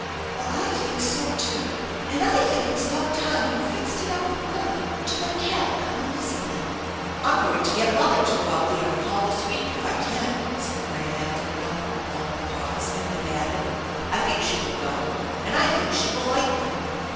"Well, I think so too, and I think it's about time you fixed it up with mamma to let Carol come and visit me." "I'm going to get mothei to go out there and call this week if I can," said Graham after another longer pause, and then added: "I think she will go and I think she will like them.